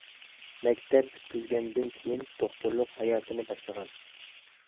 مەكتەپ پۈتكۈزگەندىن كېيىن دوختۇرلۇق ھاياتىنى باشلىغان.